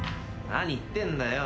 何言ってんだよ。